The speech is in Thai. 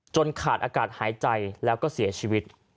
ขาดอากาศหายใจแล้วก็เสียชีวิต